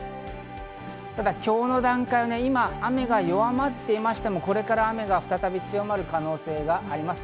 今日の段階は雨が弱まっていましても、これから雨が再び強まる可能性があります。